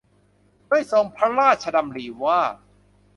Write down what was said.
ด้วยทรงพระราชดำริว่า